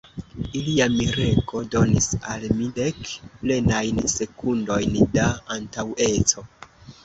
Ilia mirego donis al mi dek plenajn sekundojn da antaŭeco.